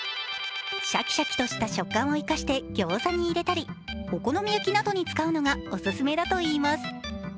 シャキシャキとした食感を生かしてギョーザに入れたりお好み焼きなどに使うのがオススメだといいます。